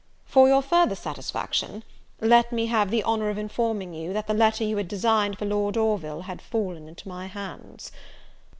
For your further satisfaction, let me have the honour of informing you, that the letter you had designed for Lord Orville, had fallen into my hands.